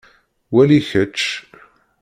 Wali kečč.